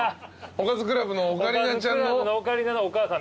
おかずクラブのオカリナのお母さん